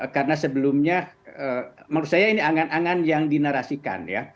karena sebelumnya menurut saya ini angan angan yang dinarasikan ya